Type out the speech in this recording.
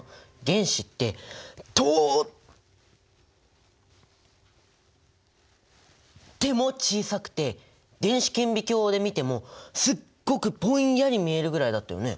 原子ってとっても小さくて電子顕微鏡で見てもすっごくぼんやり見えるぐらいだったよね？